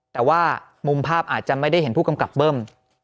แต่ว่ามุมภาพอาจจะไม่ได้เห็นผู้กำกับเบิ้ม